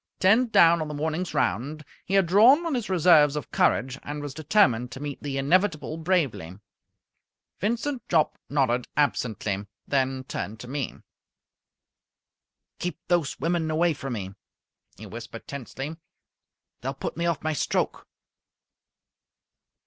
Ten down on the morning's round, he had drawn on his reserves of courage and was determined to meet the inevitable bravely. Vincent Jopp nodded absently, then turned to me. "Keep those women away from me," he whispered tensely. "They'll put me off my stroke!"